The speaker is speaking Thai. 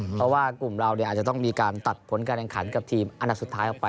เพราะว่ากลุ่มเราอาจจะต้องมีการตัดผลการแข่งขันกับทีมอันดับสุดท้ายออกไป